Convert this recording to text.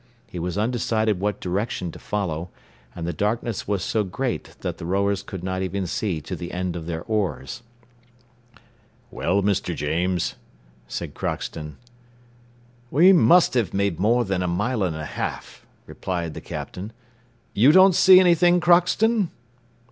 He was undecided what direction to follow, and the darkness was so great that the rowers could not even see to the end of their oars. "Well, Mr. James?" said Crockston. "We must have made more than a mile and a half," replied the Captain. "You don't see anything, Crockston?"